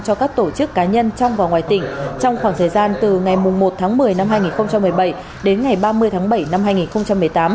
cho các tổ chức cá nhân trong và ngoài tỉnh trong khoảng thời gian từ ngày một tháng một mươi năm hai nghìn một mươi bảy đến ngày ba mươi tháng bảy năm hai nghìn một mươi tám